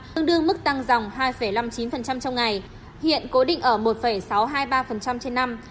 tương đương mức tăng dòng hai năm mươi chín phần trăm trong ngày hiện cố định ở một sáu trăm hai mươi ba phần trăm trên năm